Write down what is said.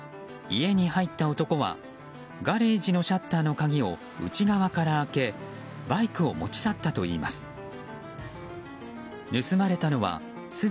家に入った男は、中からガレージのシャッターの鍵を内側から開けバイクを持ち去ったといいます。